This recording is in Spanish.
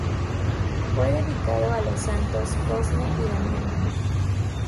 Fue dedicado a los santos Cosme y Damián.